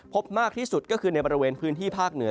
มากที่สุดก็คือในบริเวณพื้นที่ภาคเหนือ